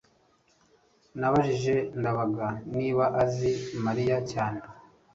nabajije ndabaga niba azi mariya cyane